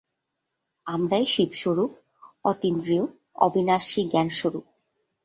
আমরাই শিবস্বরূপ, অতীন্দ্রিয়, অবিনাশী জ্ঞানস্বরূপ।